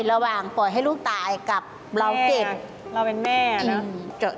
ระหว่างปล่อยให้ลูกตายกับเราเจ็บเราเป็นแม่แล้ว